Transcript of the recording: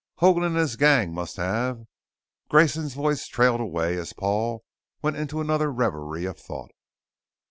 "Hoagland and his gang must have " Grayson's voice trailed away as Paul went into another reverie of thought.